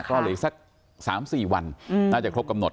ก็เหลืออีกสัก๓๔วันน่าจะครบกำหนด